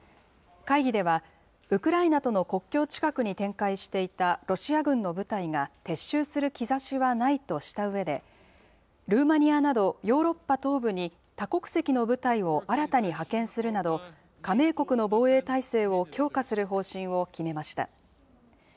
会議では、ウクライナとの国境近くに展開していたロシア軍の部隊が撤収する兆しはないとしたうえで、ルーマニアなどヨーロッパ東部に多国籍の部隊を新たに派遣するなど、加盟国の防衛態勢を強化する方針を決めました。